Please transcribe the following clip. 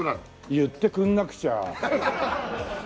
言ってくんなくちゃ。